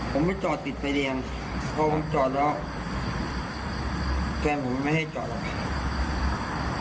ผมไม่จอดติดไฟแดงพอผมจอดแล้วแฟนผมไม่ให้จอดหรอก